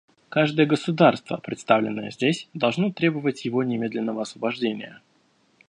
Каждое государство, представленное здесь, должно требовать его немедленного освобождения.